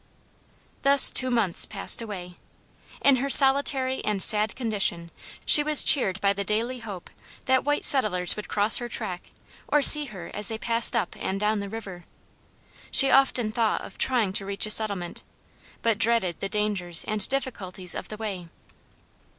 Thus two months passed away. In her solitary and sad condition she was cheered by the daily hope that white settlers would cross her track or see her as they passed up and down the river. She often thought of trying to reach a settlement, but dreaded the dangers and difficulties of the way.